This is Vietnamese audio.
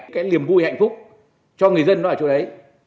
cái niềm vui hạnh phúc cho người dân nó ở chỗ đấy